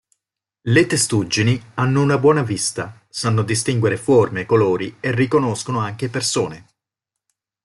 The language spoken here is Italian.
Le testuggini hanno una buona vista: sanno distinguere forme, colori e riconoscono anche persone.